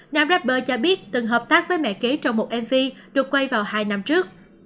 nam rapber cho biết từng hợp tác với mẹ kế trong một mv được quay vào hai năm trước